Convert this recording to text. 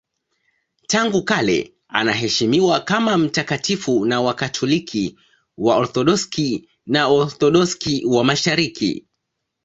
Tangu kale anaheshimiwa kama mtakatifu na Wakatoliki, Waorthodoksi na Waorthodoksi wa Mashariki.